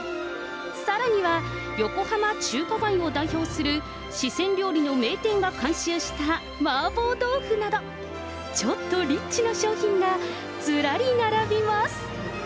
さらには、横浜中華街を代表する四川料理の名店が監修した麻婆豆腐など、ちょっとリッチな商品がずらり並びます。